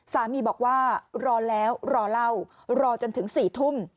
สามีบอกว่ารอแล้วรอเล่ารอจนถึง๔ทุ่ม